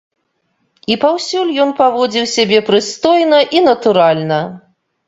І паўсюль ён паводзіў сябе прыстойна і натуральна.